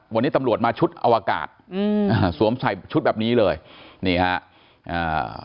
วันนี้ตำรวจมาชุดอวกาศอืมอ่าสวมใส่ชุดแบบนี้เลยนี่ฮะอ่า